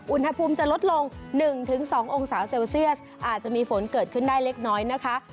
อุณหภูมิจะลดลง๑๒องศาเซลเซียสอาจจะมีฝนเกิดขึ้นได้เล็กน้อยนะคะ